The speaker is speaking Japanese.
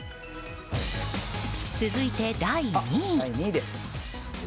続いて、第２位。